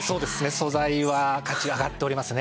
素材は価値が上がっておりますね。